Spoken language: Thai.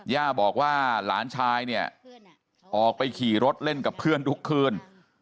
ย่าบอกว่าหลานชายเนี่ยออกไปขี่รถเล่นกับเพื่อนทุกคืน